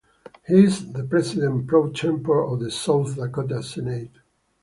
He is the President Pro Tempore of the South Dakota Senate.